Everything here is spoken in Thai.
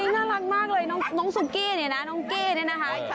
น่ารักมากเลยน้องซุกี้เนี่ยนะน้องกี้เนี่ยนะคะ